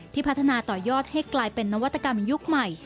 พัฒนาต่อยอดให้กลายเป็นนวัตกรรมยุคใหม่